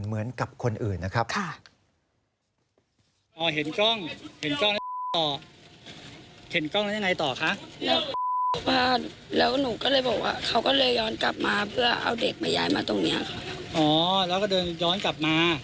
เหมือนกับคนอื่นนะครับ